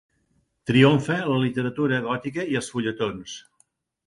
Triomfa la literatura gòtica i els fulletons.